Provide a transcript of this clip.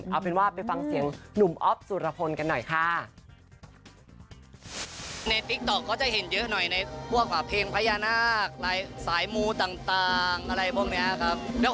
เอาเป็นว่าไปฟังเสียงหนุ่มอ๊อฟสุรพลกันหน่อยค่ะ